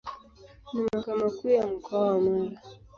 Ni makao makuu ya Mkoa wa Mara.